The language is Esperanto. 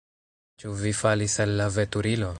Ĉu vi falis el la veturilo?